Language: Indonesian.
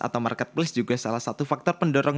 atau marketplace juga salah satu faktor pendorong